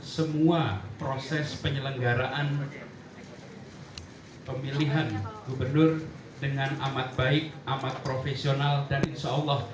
semua proses penyelenggaraan pemilihan gubernur dengan amat baik amat profesional dan insya allah